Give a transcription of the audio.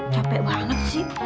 capek banget sih